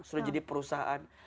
sudah jadi perusahaan